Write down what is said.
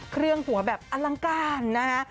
เครื่องหัวแบบอลังการนะฮะ